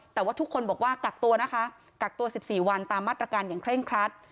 แต่ว่าทุกคนบอกว่ากักตัวนะคะกักตัว๑๔วันตามมาตรการอย่างเคร่งครัด